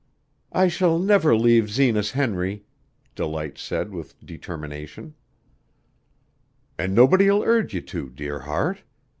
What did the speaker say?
"I shall never leave Zenas Henry," Delight said with determination. "An' nobody'll urge you to, dear heart.